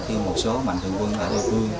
khi một số bạn thường quân ở địa phương